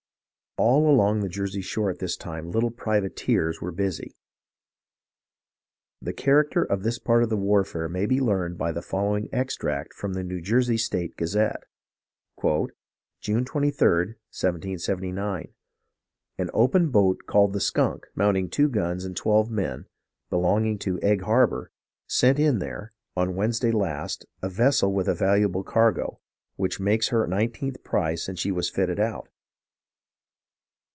All along the Jersey shore at this time little privateers were busy. The character of this part of the warfare may be learned by the following extract from the New Jersey State Gazette :— "June 23, 1779. An open boat called the Skunk, mounting two guns and twelve men, belonging to Egg Harbor, sent in there, on Wednesday last, a vessel with a valuable cargo, which makes her nineteenth prize since she was fitted out.